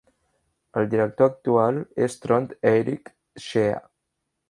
El director actual és Trond Eirik Schea.